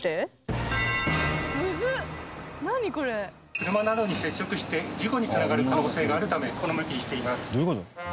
車などに接触して事故に繋がる可能性があるためこの向きにしています。